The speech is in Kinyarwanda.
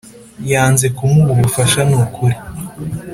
yanze kumuha ubufasha nukuri